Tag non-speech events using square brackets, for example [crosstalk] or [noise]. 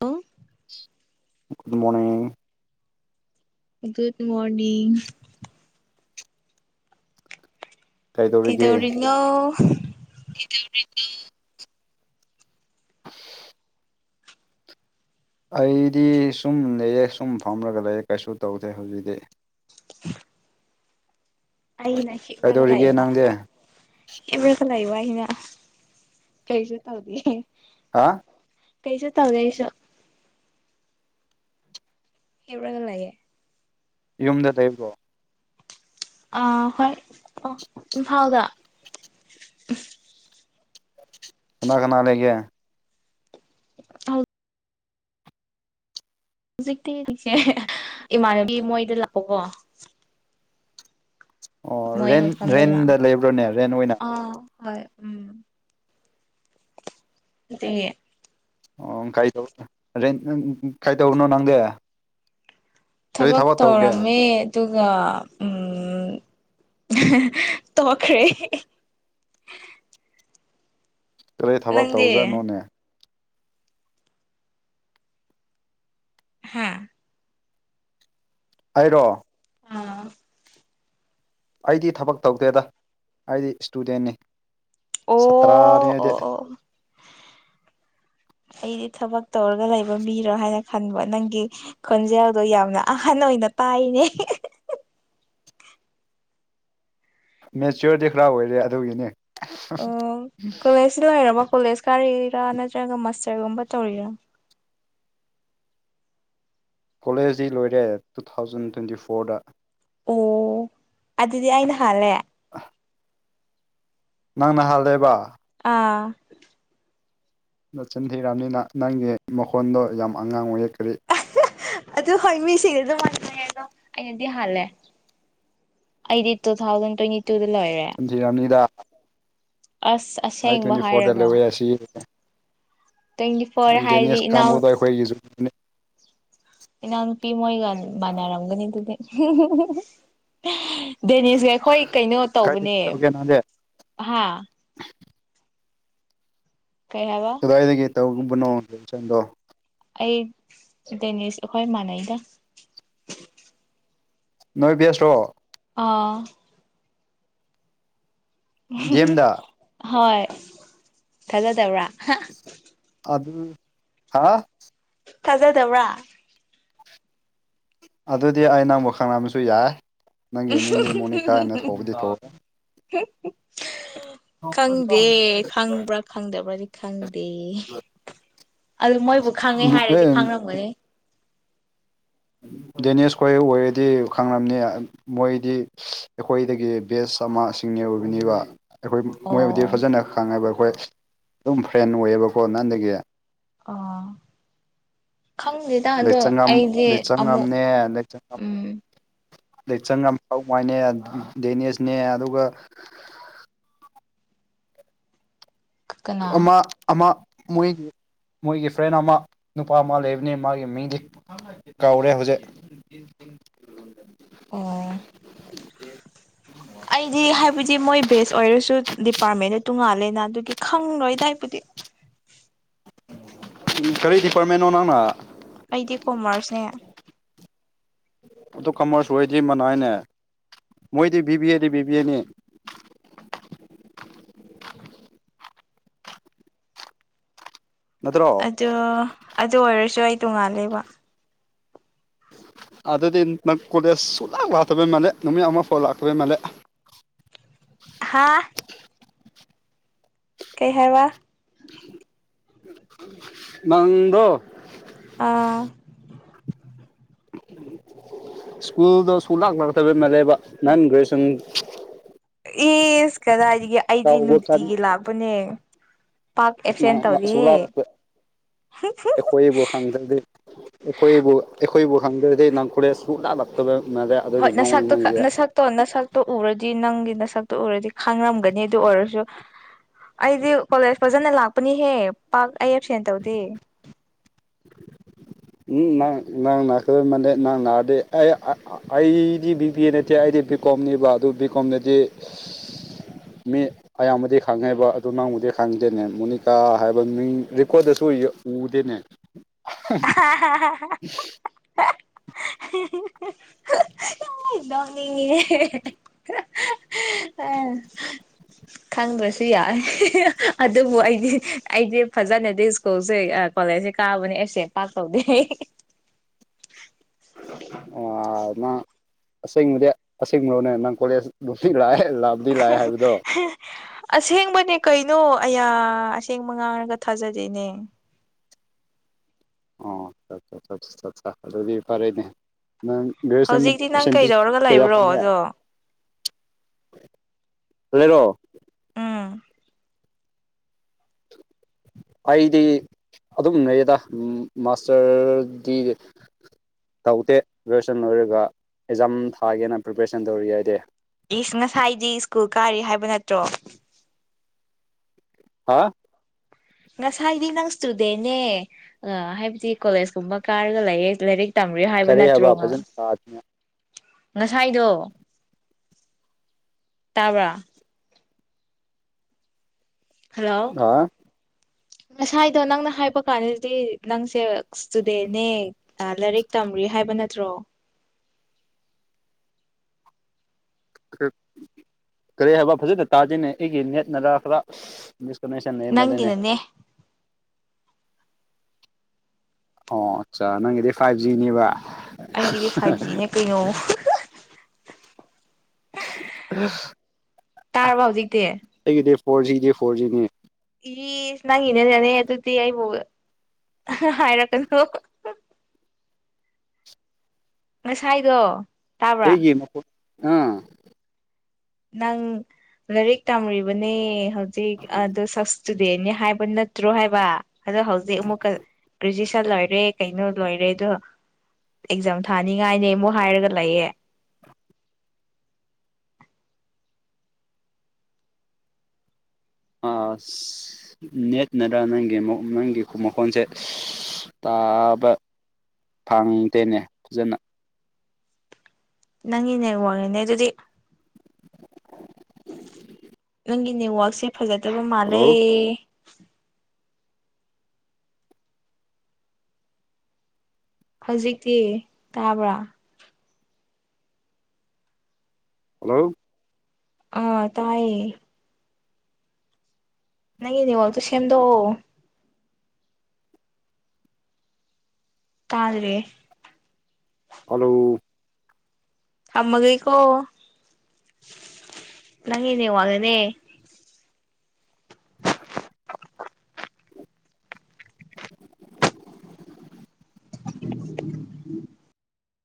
ꯑ good morning good morning ꯀꯩꯗꯧꯔꯤꯒꯦ ꯀꯗꯧꯔꯤꯅꯣ ꯇꯧꯔꯤ [inaudible] ꯑꯩꯗꯤ ꯁꯨꯝ ꯂꯩꯦꯛꯑꯦ ꯁꯨꯝ ꯐꯝꯂꯒ ꯂꯩꯑꯦ ꯀꯩꯁꯨ ꯇꯧꯗꯦ ꯍꯧꯖꯤꯛꯇꯤ ꯑꯩꯅ ꯏꯕ꯭ꯔꯒꯂ ꯀꯩꯗꯧꯔꯤꯒꯦ ꯑꯕ ꯅꯪꯗꯤ ꯏꯕ꯭ꯔꯒꯂꯥꯏ ꯋꯥ ꯑꯩꯅ ꯀꯩꯁꯨꯦ ꯇꯧꯗꯦ ꯍꯥ ꯀꯩꯁ ꯇꯥꯎꯒꯩꯁ ꯍꯦꯕꯨꯀꯅ ꯂꯒꯦ ꯌꯨꯝꯗ ꯂꯩꯕ꯭ꯔꯣ ꯑ ꯍꯣꯏ ꯑ ꯏꯝꯐꯥꯎꯗ ꯏ ꯈꯅꯥꯂꯦꯦ ꯍꯥꯎ ꯍꯧꯖꯤꯛꯇꯤꯁꯦ ꯏꯃꯥꯟꯅꯕꯤ ꯃꯣꯏꯗ ꯂꯥꯛꯑꯣꯀꯣ ꯑꯣ ꯃꯣꯏ ꯔꯦꯟ ꯃꯐꯝꯐꯝꯗ ꯔꯦꯟꯗ ꯂꯥꯛ ꯂꯩꯕ꯭ꯔꯣꯅꯦ ꯔꯦꯟ ꯑꯣꯏꯅ ꯑ ꯍ ꯎꯝ [inaudible] ꯑꯣ ꯀꯥꯏꯗ ꯀꯥꯏꯗꯧꯅꯣ ꯅꯪꯗꯦ ꯊꯕꯛ ꯇꯧꯔꯝꯃꯦ ꯑꯗꯨꯒ ꯎꯝ ꯇꯣꯛꯈ꯭ꯔꯦ [inaudible] ꯀꯔꯤ ꯊꯕꯛ ꯅꯪꯗꯤ ꯇꯧꯖꯥꯅꯣꯅꯦ ꯍꯥꯥ ꯍꯥꯏꯔꯣ ꯑꯥ ꯑꯩꯗꯤ ꯊꯕꯛ ꯇꯧꯗꯦꯗ ꯑꯩꯗꯤ ꯏꯁꯇꯨꯗꯦꯟꯅꯤ ꯑꯣ ꯁꯥꯇ꯭ꯔꯥꯅꯤ ꯑꯩꯗꯤ ꯑꯣ ꯑꯣ ꯑꯩꯗꯤ ꯊꯕꯛ ꯇꯧꯔꯒ ꯂꯩꯕ ꯃꯤꯔꯣ ꯍꯥꯏꯅ ꯈꯟꯕ ꯅꯪꯒꯤ ꯈꯣꯟꯖꯦꯜꯗꯣ ꯌꯥꯝꯅ ꯑꯍꯟ ꯑꯣꯏꯅ ꯇꯥꯏꯅꯦ [inaudible] ꯃꯦꯆꯌꯣꯔꯗꯤ ꯈꯔ ꯑꯣꯏꯔꯦ ꯑꯗꯨꯒꯤꯅꯦ ꯑꯣ ꯀ ꯑꯁꯣ ꯍꯥꯏꯔꯔꯕ ꯀꯣꯂꯦꯖ ꯀꯥꯔꯤꯔꯥ ꯅꯠꯇ꯭ꯔꯒ ꯃꯥꯁꯇꯔꯒꯨꯝꯕ ꯇꯧꯔꯤꯔꯥ ꯀꯣꯂꯦꯖꯇ ꯂꯣꯏꯔꯦ ꯇꯨ ꯊꯥꯎꯖꯟ ꯇ꯭ꯋꯦꯟꯇꯤ ꯐꯣꯔꯗ ꯑꯣ ꯑꯗꯨꯗꯤ ꯑꯩꯅ ꯍꯥꯜꯂꯦ ꯑ ꯅꯪꯅ ꯍꯥꯜꯂꯦꯕ ꯑꯥ ꯅꯆꯤꯟ ꯍꯤꯔꯥꯝꯅꯤꯅ ꯅꯪꯒꯤ ꯃꯈꯣꯟꯗꯣ ꯌꯥꯝ ꯑꯉꯥꯡ ꯑꯣꯏꯛꯈꯔꯤ ꯑꯗꯨ ꯍꯣꯏ ꯃꯤꯁꯤꯡꯁ ꯑꯗꯨꯝ ꯍ ꯑꯗꯣ ꯑꯩꯅꯗꯤ ꯍꯥꯜꯂꯦ ꯑꯩꯗꯤ ꯇꯨ ꯊꯥꯎꯖꯟ ꯇ꯭ꯋꯦꯟꯇꯤ ꯇꯨꯗ ꯂꯣꯏꯔꯦ ꯅꯆꯤꯟ ꯑꯁ ꯑꯥꯏ ꯑꯁꯦꯡꯕ ꯇ꯭ꯋꯦꯟꯇꯤ ꯐꯣꯔꯗꯂ ꯍꯥꯏꯔꯒ ꯑꯣꯏ ꯑꯁꯤ ꯇ꯭ꯋꯦꯟꯇꯤ ꯐꯣꯔ ꯍꯥꯏꯔꯗꯤ ꯗꯦꯅꯤꯁ ꯏꯅꯥꯎ ꯀꯝꯕꯨ ꯇ ꯑꯩꯈꯁꯨ ꯏꯩꯅꯎꯅꯄꯤ ꯃꯣꯏꯒ ꯃꯅꯔꯝꯒꯅꯤ ꯑꯗꯨꯗꯤ ꯗꯦꯅꯤꯁꯁꯦ ꯑꯩꯈꯣꯏ ꯀꯩꯅꯣ ꯀꯥꯏꯗꯒꯤ ꯇꯧꯕꯅꯦ ꯇꯧꯒꯦ ꯅꯪꯗꯤ ꯍꯥ ꯀꯌꯥꯕ ꯇꯧꯒꯨꯝꯕꯅꯣꯗ ꯏꯆꯟꯗꯣ ꯑꯩ ꯗꯦꯅꯤꯁ ꯑꯩꯈꯣꯏ ꯃꯥꯟꯅꯩꯗ ꯅꯣꯏ ꯦꯁ꯭ꯔꯣ ꯑꯥ ꯗꯤ ꯑꯦꯝꯗ ꯍꯣꯏ ꯊꯖ ꯇꯕ꯭ꯔꯥ ꯑꯗꯨ ꯍꯥ ꯀꯖꯥ ꯇꯧ꯭ꯔꯥ ꯑꯗꯨꯗꯤ ꯑꯩ ꯅꯪ ꯑꯃꯨꯛ ꯈꯪꯝꯕꯁꯨ ꯌꯥꯏ ꯅꯪꯒꯤ ꯃꯤꯡꯗꯤ ꯃꯣꯅꯤꯀꯥꯅ ꯊꯧꯕꯗꯤ ꯊꯣꯛ [inaudible] ꯈꯪꯗꯦ ꯈꯪꯕ꯭ꯔꯥ ꯈꯪꯗꯕ꯭ꯔꯗꯤ ꯈꯪꯗꯦ ꯑꯗꯨ ꯃꯣꯏꯕꯨ ꯈꯥꯡꯉꯦ ꯍꯥꯏꯔꯗꯤ ꯑꯦ ꯈꯥꯡꯔꯝꯒꯅꯤ ꯗꯦꯅꯤꯁ ꯈꯣꯏ ꯑꯣꯏꯔꯗꯤ ꯈꯪꯕꯅꯤ ꯃꯣꯏꯗꯤ ꯑꯩꯈꯣꯏꯗꯒꯤ ꯕꯦꯁ ꯑꯃ ꯑꯁꯤꯡꯅꯦ ꯑꯣꯏꯕꯤꯅꯤꯕ ꯑꯩꯈꯣꯏ ꯑꯣ ꯃꯣꯏꯕꯨꯗꯤ ꯐꯖꯅ ꯈꯪꯉꯦꯕ ꯑꯩꯈꯣꯏ ꯑꯗꯨꯝ ꯐ꯭ꯔꯦꯟ ꯑꯣꯏꯌꯦꯕꯀꯣ ꯅꯥꯟꯗꯒꯤ ꯑ ꯈꯪꯗꯦꯗ ꯑꯗꯣ ꯂꯩꯆꯪꯉꯝ ꯑꯩꯗꯤ ꯑꯃꯨꯛ ꯂꯩꯆꯪꯉꯝꯅꯦ ꯎꯝ ꯂꯦꯛꯆꯪ ꯌꯥꯝ ꯍꯉꯥꯏꯅꯦ ꯗꯦꯅꯦꯁꯅꯦ ꯑꯗꯨꯒ ꯀꯅꯥ ꯑꯃ ꯑꯃ ꯃꯣꯏꯒꯤ ꯃꯣꯏꯒꯤ ꯐ꯭ꯔꯦꯟ ꯑꯃ ꯅꯨꯄꯥ ꯑꯃ ꯂꯩꯕꯅꯤ ꯃꯥꯒꯤ ꯃꯤꯡꯗꯤ ꯀꯧꯔꯦ ꯍꯧꯖꯤꯛ ꯑꯣ ꯑꯩꯗꯤ ꯍꯥꯏꯕꯗꯤ ꯃꯣꯏ ꯕꯦꯁ ꯑꯣꯏꯔꯁꯨ ꯗꯤꯄꯥꯔꯠꯃꯦꯟꯗ ꯇꯣꯡꯉꯥꯜꯂꯦ ꯑꯗꯨꯒꯤ ꯈꯪꯂꯣꯏꯗꯥꯏꯕꯨꯗꯤ ꯝ ꯀꯔꯤ ꯗꯤꯄꯥꯔꯠꯃꯦꯟꯣ ꯅꯪꯅ ꯑꯩꯗꯤ ꯀꯣꯃꯔꯁꯅꯦ ꯑꯗꯨ ꯀꯃꯔꯁ ꯑꯣꯏꯗ꯭ꯔꯤ ꯃꯅꯥꯏꯅꯦ ꯃꯣꯏꯗꯤ ꯕꯤꯤꯕꯤꯑꯗꯤ ꯕꯤꯤꯕꯤꯅꯤ [inaudible] ꯅꯠꯇ꯭ꯔꯣ ꯑꯗꯨ ꯑꯗꯨ ꯑꯣꯏꯔꯁꯨ ꯑꯩ ꯇꯣꯡꯉꯥꯂꯦꯕ ꯑꯗꯨꯗꯤ ꯅꯪ ꯀꯣꯂꯦꯖ ꯁꯨꯂꯥꯛ ꯂꯥꯛꯇꯕꯩ ꯃꯥꯜꯂꯦ ꯅꯨꯃꯤꯠ ꯑꯃ ꯐꯥꯎ ꯂꯥꯛꯇꯕꯩ ꯃꯥꯜꯂꯦ ꯍꯥꯥ ꯀꯩ ꯍꯥꯏꯦ ꯋꯥ ꯃꯗ ꯑꯥ [inaudible] ꯁ꯭ꯀꯨꯜꯗꯣ ꯁꯨ ꯂꯥꯛ ꯂꯥꯛꯇꯕ ꯃꯂꯦꯕ ꯅꯟ ꯭ꯔꯦꯖꯨꯌꯦꯦꯁꯟ ꯑꯦꯁ ꯀꯗꯥꯏꯗꯒꯤꯒ ꯑꯩꯗꯤ ꯇꯧꯕ ꯅꯨꯡꯇꯤꯒꯤ ꯂꯥꯛꯄꯅꯦ ꯄꯥꯛ ꯑꯦꯞꯁꯦꯟ ꯇꯧꯗꯦꯍꯦ ꯁꯣꯂꯥꯀ ꯑꯩꯈꯣꯏꯌꯦꯕꯨꯣ ꯈꯪꯗꯤ ꯑꯩꯈꯣꯏꯕꯨ ꯑꯩꯈꯣꯏꯕꯨ ꯍꯪꯗ꯭ꯔꯗꯤ ꯅꯪꯈꯣꯂꯦꯁ ꯁꯨꯛ ꯂꯛꯇꯕ ꯍꯣꯏ ꯅꯁꯥꯛꯇ‌ꯣ ꯅꯁꯥꯛꯇꯣ ꯅꯁꯛꯇ‌ꯣ ꯎꯔ ꯗꯤ ꯅꯪꯒꯤ ꯅꯁꯛꯇ‌ꯣ ꯎꯔꯗꯤ ꯈꯥꯡꯉꯝꯒꯅꯤ ꯑꯗꯨ ꯑꯣꯏꯔꯁꯨ ꯑꯩꯗꯤ ꯀꯣꯂꯦꯖ ꯐꯖꯅ ꯂꯥꯛꯄꯅꯤꯍꯦ ꯄꯥꯛ ꯑꯩ ꯑꯦꯞꯁꯦꯟ ꯇꯧꯗꯦ ꯎꯝ ꯅꯪꯅ ꯈ [unintelligible] ꯃ ꯅꯪꯅ ꯅꯥꯗꯦ [unintelligible] ꯑꯩ ꯑꯩꯗꯤ ꯕꯤ ꯄꯤ ꯂꯩꯇ‌ꯦ ꯑꯩꯗꯤ ꯕꯤ ꯀꯣꯝꯅꯤꯕ ꯑꯗꯨ ꯕꯤ ꯀꯣꯝꯗꯗꯤ ꯃꯤ ꯑꯌꯥꯝꯕꯗꯤ ꯈꯪꯉꯦꯕ ꯑꯗꯨ ꯅꯪꯕꯨꯗꯤ ꯈꯪꯗꯦꯅꯦ ꯃꯣꯅꯤꯀꯥ ꯍꯥꯏꯕ ꯃꯤꯡ ꯔꯦꯀꯣꯔꯗꯁꯨ ꯁꯨ ꯎꯗ‌ꯦꯅꯦ [unintelligible] ꯅ‌ꯣꯛꯅꯤꯡꯉ‌ꯦ ꯈꯪꯗ꯭ꯔꯁꯨ ꯌꯥꯏ ꯑꯗꯨꯕꯨ ꯑꯩꯗꯤ ꯑꯩꯗꯤ ꯐꯖꯅꯗꯤ ꯁ꯭ꯀꯨꯜꯁꯦ ꯀ‌ꯣꯂ‌ꯦꯖ ꯁꯦ ꯀꯥꯕꯅꯦ ꯑ‌ꯦꯞꯁ‌ꯦꯟ ꯄꯥꯛ ꯇꯧꯗꯦ ꯑ ꯅꯪ ꯑꯁꯦꯡꯕꯗꯤ ꯑꯁꯦꯡꯕꯔ‌ꯣꯅꯦ ꯅꯪ ꯀꯣꯂꯦꯖ ꯅꯨꯡꯇꯤ ꯂꯥꯛꯑꯦ ꯂꯥꯕꯗꯤ ꯂꯥꯛꯑꯦ ꯍꯥꯏꯕꯗꯣ ꯑꯁꯦꯡꯕꯅꯦ ꯀꯩꯅꯣ ꯑꯌꯥ ꯑꯁꯦꯡꯕ ꯉꯥꯡꯔꯒ ꯊꯥꯖꯗ‌ꯦꯅꯦ ꯑꯣ [unintelligible] ꯑꯗꯨꯗꯤ ꯐꯔꯦꯅꯦ ꯅꯪ ꯒ꯭ꯔꯦꯖꯨꯁꯟ ꯍꯧꯖꯤꯛꯇꯤ ꯅꯪ ꯄꯔꯁꯦꯟꯇꯦꯖ ꯀꯩꯗꯧꯔꯒ ꯀꯌꯥ ꯂꯩꯕ꯭ꯔꯣ ꯐꯪꯉꯦ ꯑꯗꯣ [unintelligible] ꯎꯝ [unintelligible] ꯑꯩꯗꯤ ꯑꯗꯨꯝ ꯂꯩꯌꯦꯗ ꯃꯥꯁꯇꯔ ꯗꯤ- ꯇꯧꯗꯦ ꯒ꯭ꯔꯦꯖꯨꯁꯟ ꯂꯣꯏꯔꯒ ꯑꯦꯛꯖꯥꯝ ꯊꯥꯒꯦꯅ ꯄ꯭ꯔꯤꯄꯦꯔꯦꯁꯟ ꯇꯧꯔꯤ ꯑꯩꯗꯤ ꯏꯁ ꯉꯁꯥꯏꯗꯤ ꯁ꯭ꯀꯨꯜ ꯀꯥꯔꯤ ꯍꯥꯏꯕ ꯅꯠꯇ꯭ꯔꯣ ꯍꯥ ꯉꯁꯥꯏꯗꯤ ꯅꯪ ꯏꯁꯇꯨꯗꯦꯟꯅꯦ ꯍꯥꯏꯕꯗꯤ ꯀꯣꯂꯦꯖ ꯀꯨꯝꯕ ꯀꯥꯔꯒ ꯂꯩꯌꯦ ꯂꯥꯏꯔꯤꯛ ꯇꯝꯔꯤ ꯍꯥꯏꯕ ꯀꯔꯤ ꯅꯠꯇ꯭ꯔꯣ ꯐꯖꯅ ꯉꯁꯥꯏꯗꯣ ꯇꯥꯕ꯭ꯔꯥ ꯍꯜꯂꯣ ꯑ ꯉꯁꯥꯏꯗꯣ ꯅꯪꯅ ꯍꯥꯏꯕ ꯀꯥꯟꯗꯗꯤ ꯅꯪꯁꯦ ꯏꯁꯇꯨꯗꯦꯟꯅꯦ ꯂꯥꯏꯔꯤꯛ ꯇꯝꯔꯤ ꯍꯥꯏꯕ ꯅꯠꯇ꯭ꯔꯣ ꯀꯔꯤ ꯍꯥꯏꯕ ꯐꯖꯅ ꯇꯥꯗꯦꯅꯦ ꯑꯩꯒꯤ ꯅꯦꯠ ꯅꯔꯥ [unintelligible] ꯗꯤꯁꯀꯅ‌ꯦꯁꯟ ꯑꯦꯅ ꯂꯩꯅꯦ ꯅꯪꯒꯤꯅꯅꯦ ꯑꯣ ꯑꯆꯥ ꯅꯪꯒꯤꯗꯤ ꯐꯥꯏꯚ ꯖꯤꯅꯦꯕ ꯑꯩꯒꯤꯗꯤ ꯐꯥꯏꯚ ꯖꯤꯅꯦ ꯀꯩꯅꯣ ꯇꯥꯔꯕ ꯍꯧꯖꯤꯛꯇꯤ ꯑꯩꯒꯤꯗꯤ ꯐꯣꯔ ꯖꯤꯗꯤ ꯐꯣꯔꯖꯤꯅꯤ ꯏꯁ ꯅꯪ ꯒꯤꯅꯅꯦ ꯑꯗꯨꯗꯤ ꯑꯩꯕꯨ ꯍꯥꯏꯔꯀꯅ‌ꯣ ꯉꯁꯥꯏꯗꯣ ꯇꯥꯕ꯭ꯔꯥ ꯑꯩꯒꯤ ꯃ ꯑꯥ ꯅꯪ ꯂꯥꯏꯔꯤꯛ ꯇꯝꯔꯤꯕꯅꯦ ꯍꯧꯖꯤꯛ ꯑꯗꯨ ꯁꯞꯁ ꯍꯥꯏꯕ ꯅꯠꯇ꯭ꯔꯣ ꯍꯥꯏꯕ ꯑꯗꯣ ꯍꯧꯖꯤꯛ ꯑꯃꯨꯛꯀ ꯒꯔ‌ꯦꯖꯨꯏ ꯆꯟ ꯂꯣꯏꯔꯦ ꯀꯩꯅꯣ ꯂꯣꯏꯔꯦꯗꯣ ꯑꯦꯛꯖꯥꯝ ꯊꯥꯅꯤꯡꯉꯥꯏꯅꯦ ꯑꯃꯨꯛ ꯍꯥꯏꯔꯒ ꯂꯩꯥꯑꯦ ꯑ ꯅꯦꯠꯅꯔꯥ ꯅꯪꯒꯤ ꯅꯪꯒꯤ ꯃꯈꯣꯟꯁꯦ ꯇꯥꯕ ꯐꯪꯗꯦꯅꯦ ꯐꯖꯅ ꯅꯪꯒꯤ ꯅꯦꯠꯋꯥꯛꯅꯅꯦ ꯑꯗꯨꯗꯤ ꯅꯪꯒꯤ ꯅꯦꯠꯋꯛꯁꯦ ꯐꯖꯗꯕ ꯍꯜꯂꯣ ꯃꯥꯜꯂꯦ ꯍꯧꯖꯤꯛꯇꯤ ꯇꯥꯕ꯭ꯔꯥ ꯍꯜꯂꯣ ꯑꯥ ꯇꯥꯏꯌꯦ ꯅꯪ ꯅ‌ꯦꯠꯋꯥꯛꯇ‌ꯣ ꯁꯦꯝꯗ‌ꯣꯛꯑꯣ ꯇꯥꯗ꯭ꯔ‌ꯦ ꯍꯜꯂꯧ ꯑꯃꯒ ꯀꯣ ꯅꯪꯦꯅꯦ ꯋꯥꯒꯅꯦ